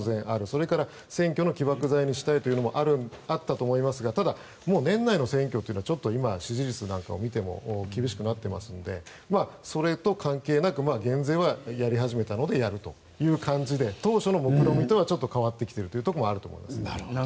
それから選挙の起爆剤にしたいというのもあったかもしれませんがただ、年内の選挙は今の支持率を見ても厳しくなっていますのでそれと関係なく減税はやり始めたのでやるという感じで当初の目論見とはちょっと変わってきているところはあると思います。